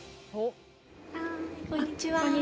こんにちは。